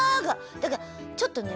だからちょっとね